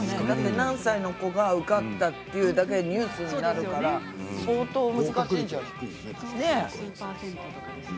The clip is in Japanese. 何歳の子が受かったというだけでニュースになるからね。